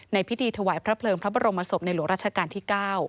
พิธีถวายพระเพลิงพระบรมศพในหลวงราชการที่๙